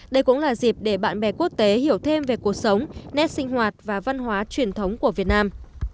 đây cũng là dịp để bạn bè quốc tế hiểu thêm về cuộc sống nét sinh hoạt và văn hóa truyền thống của việt nam